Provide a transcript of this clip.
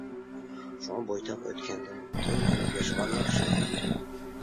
شۇڭا بويتاق ئۆتكەندىن توي قىلىپ ياشىغان ياخشى.